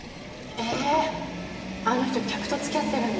ええあの人客とつきあってるんだ。